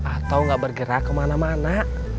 atau nggak bergerak kemana mana